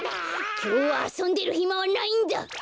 きょうはあそんでるひまはないんだ。